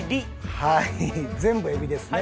はい全部エビですね。